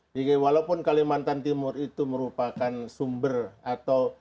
jadi walaupun kalimantan timur itu merupakan sumber atau ya